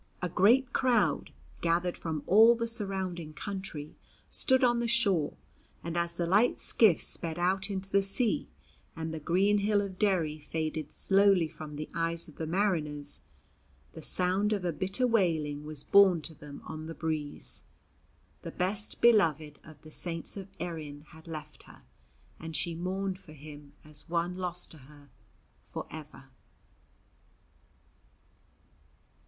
A great crowd, gathered from all the surrounding country, stood on the shore, and as the light skiffs sped out into the sea, and the green hill of Derry faded slowly from the eyes of the mariners, the sound of a bitter wailing was borne to them on the breeze. The best beloved of the Saints of Erin had left her, and she mourned for him as one lost to her for ever.